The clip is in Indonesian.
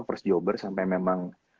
first jobber sampai memang